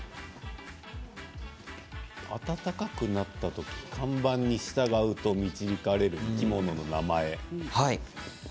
暖かくなったとき看板に従うと導かれる生き物の名前。